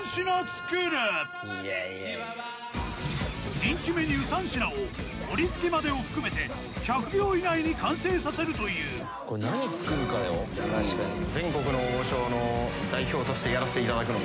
人気メニュー３品を盛りつけまでを含めて１００秒以内に完成させるというなと思っておりますですよね